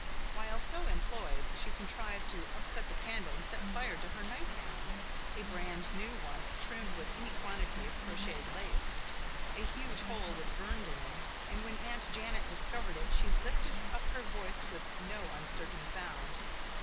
While so employed she contrived to upset the candle and set fire to her nightgown a brand new one, trimmed with any quantity of crocheted lace. A huge hole was burned in it, and when Aunt Janet discovered it she lifted up her voice with no uncertain sound.